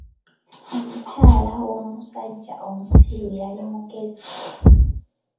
Omukyala w'omusajja omusiru yali mugezi.